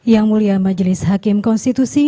yang mulia majelis hakim konstitusi